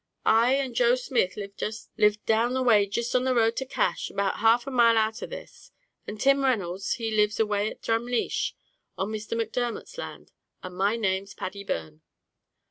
"I and Joe Smith live down away jist on the road to Cash, about half a mile out of this; and Tim Reynolds, he lives away at Drumleesh, on Mr. Macdermot's land; and my name's Paddy Byrne."